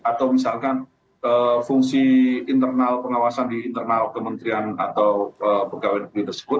atau misalkan fungsi internal pengawasan di internal kementerian atau pegawai negeri tersebut